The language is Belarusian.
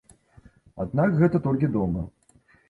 Аднак гэта толькі дома.